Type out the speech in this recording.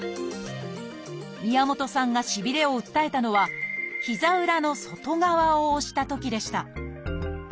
宮本さんがしびれを訴えたのは膝裏の外側を押したときでした